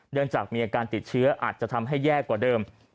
เนื่องจากมีอาการติดเชื้ออาจจะทำให้แย่กว่าเดิม